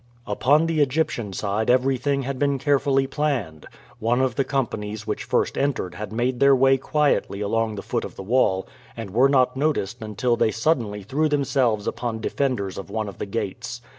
Upon the Egyptian side everything had been carefully planned. One of the companies which first entered had made their way quietly along the foot of the wall, and were not noticed until they suddenly threw themselves upon defenders of one of the gates.